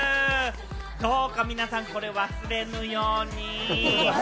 どうか皆さん、これ忘れぬように。